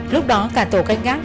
lúc đó cả tổ canh gác